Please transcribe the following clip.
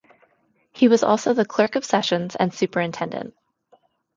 He was also the Clerk of Sessions and Superintendent.